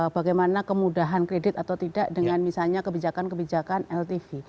bagaimana kemudahan kredit atau tidak dengan misalnya kebijakan kebijakan ltv